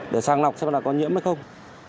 để sang lọc xem là có nhiễm hay không